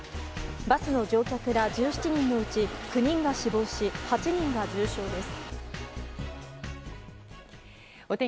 バスの乗客ら１７人のうち９人が死亡し８人が重傷です。